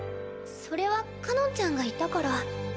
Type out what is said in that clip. それはかのんちゃんがいたから。